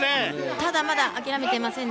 ただ、まだ諦めていません。